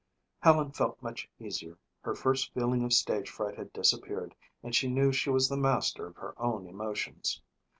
Helen felt much easier. Her first feeling of stage fright had disappeared and she knew she was the master of her own emotions.